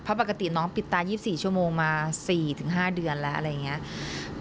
เพราะปกติน้องปิดตา๒๔ชั่วโมงมา๔๕เดือนแล้วอะไรอย่างนี้